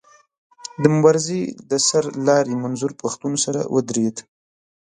د مبارزې د سر لاري منظور پښتون سره ودرېد.